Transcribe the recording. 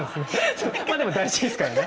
そこはでも大事ですからね。